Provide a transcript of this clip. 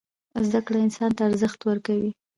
زدکړه انسان ته ارزښت ورکوي.